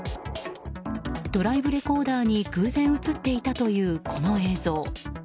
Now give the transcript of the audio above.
ドライブレコーダーに偶然映っていたという、この映像。